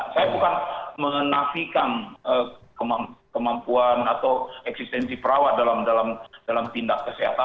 saya bukan menafikan kemampuan atau eksistensi perawat dalam tindak kesehatan